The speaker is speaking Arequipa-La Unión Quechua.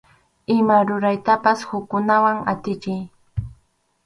Ima ruraytapas hukkunaman atichiy.